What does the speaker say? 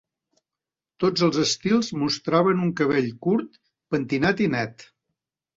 Tots els estils mostraven un cabell curt, pentinat i net.